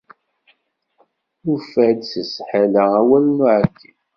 Nufa-d s sshala awal n uεeddi.